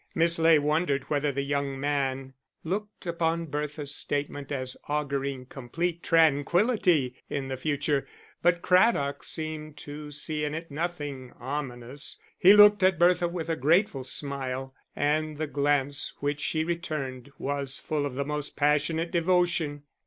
Miss Ley wondered whether the young man looked upon Bertha's statement as auguring complete tranquillity in the future, but Craddock seemed to see in it nothing ominous; he looked at Bertha with a grateful smile, and the glance which she returned was full of the most passionate devotion.